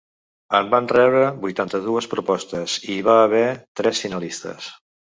En van rebre vuitanta-dues propostes i hi va haver tres finalistes.